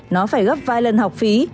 nó phải gấp vài lần học phí